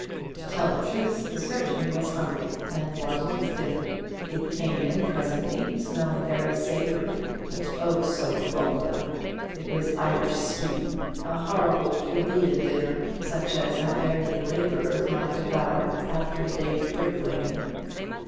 To tell the truth, the surgeon was hungry, and wanted his dinner. It came in presently, smelling very savoury, but, oh, so vulgar! It was Irish stew, a horrible, plebeian dinner, such as Hibernian labourers might devour after a day's bricklaying.